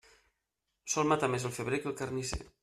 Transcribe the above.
Sol matar més el febrer que el carnisser.